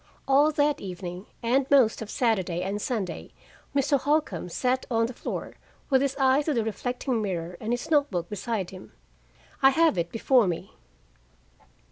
All that evening, and most of Saturday and Sunday, Mr. Holcombe sat on the floor, with his eye to the reflecting mirror and his note book beside him. I have it before me.